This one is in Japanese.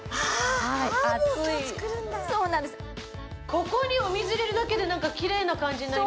ここにお水入れるだけで何かきれいな感じになりますね。